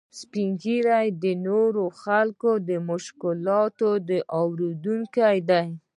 سپین ږیری د نورو خلکو د مشکلاتو اورېدونکي دي